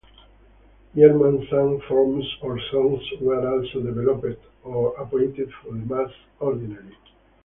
German sung forms or songs were also developed or appointed for the Mass Ordinary.